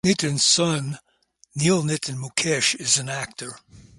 Nitin's son Neil Nitin Mukesh is an actor.